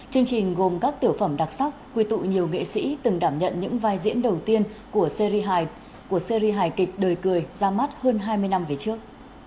chương trình gồm các tiểu phẩm đặc sắc quy tụ nhiều nghệ sĩ từng đảm nhận những vai diễn đầu tiên của series của series hài kịch đời cười ra mắt hơn hai mươi năm về trước